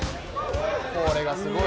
これがすごい。